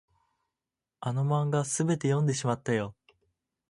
あの漫画、すべて読んでしまったよ。